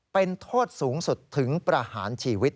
เป็นโทษสูงสุดถึงประหารชีวิต